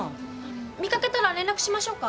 見掛けたら連絡しましょうか？